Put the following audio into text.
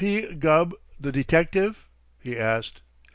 P. Gubb, the detective?" he asked.